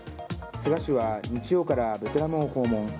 菅氏は日曜からベトナムを訪問。